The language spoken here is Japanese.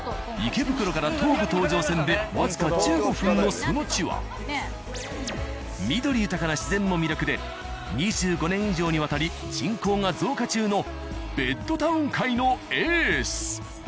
池袋から東武東上線で僅か１５分のその地は緑豊かな自然も魅力で２５年以上にわたり人口が増加中のベッドタウン界のエース。